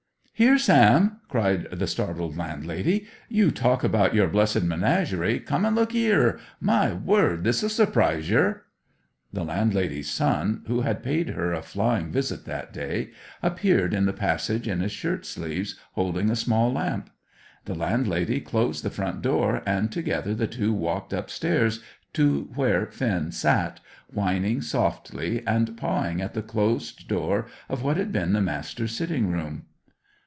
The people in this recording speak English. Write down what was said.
"Here, Sam!" cried the startled landlady, "you talk about your blessed menagerie, come an' look 'ere. My word, this'll surprise yer!" The landlady's son, who had paid her a flying visit that day, appeared in the passage in his shirt sleeves, holding a small lamp. The landlady closed the front door, and together the two walked upstairs to where Finn sat, whining softly, and pawing at the closed door of what had been the Master's sitting room.